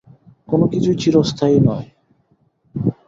কোনকিছুই চিরস্থায়ী নয়।